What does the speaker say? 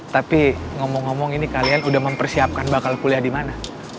tapi ngomong ngomong ini kalian udah mempersiapkan bakal kuliah di mana